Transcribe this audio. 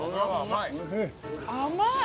甘い！